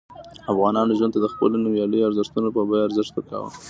افغانانو ژوند ته د خپلو نوميالیو ارزښتونو په بیه ارزښت ورکاوه.